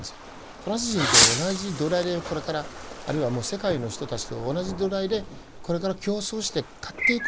フランス人と同じ土台でこれからあるいは世界の人たちと同じ土台でこれから競争して勝っていくっていうところ。